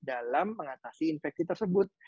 dalam mengatasi infeksi tersebut